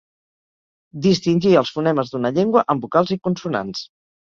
Distingir els fonemes d'una llengua en vocals i consonants.